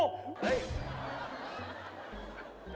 เฮ่ย